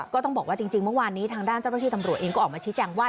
ก็ต้องบอกว่าจริงเมื่อวานนี้ทางด้านเจ้าหน้าที่ตำรวจเองก็ออกมาชี้แจงว่า